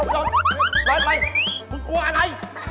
รับไปคุณกลัวอะไร